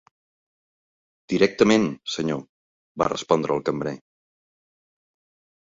'Directament, senyor,' va respondre el cambrer.